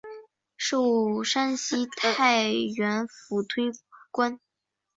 授山西太原府推官。